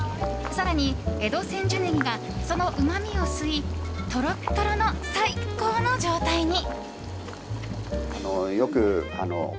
更に、江戸千住葱がそのうまみを吸いトロットロの最高の状態に。